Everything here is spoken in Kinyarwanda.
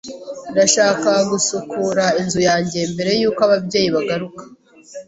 Ndashaka gusukura inzu yanjye mbere yuko ababyeyi bagaruka.